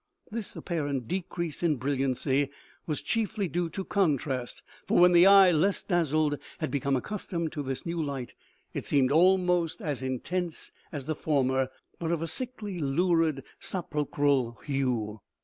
This apparent decrease in brilliancy was chiefly due to contrast, for when the eye, less dazzled, had become accustomed to this new light, it seemed 274 OMEGA. almost as intense as the former, but of a sickly, lurid, sepulchral hue.